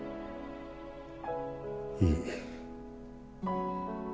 いい